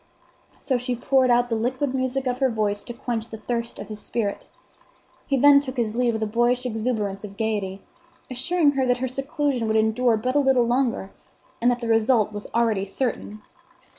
So she poured out the liquid music of her voice to quench the thirst of his spirit. He then took his leave with a boyish exuberance of gayety, assuring her that her seclusion would endure but a little longer, and that the result was already certain.